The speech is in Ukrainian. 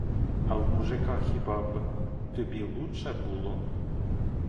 А в мужика хіба б тобі лучче було?